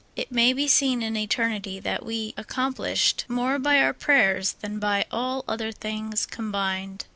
It may be seen in eternity that we accomplished more by our praj^ers than by all other things combined.